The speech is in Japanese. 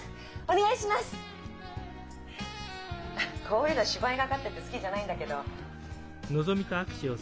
こういうの芝居がかってて好きじゃないんだけど。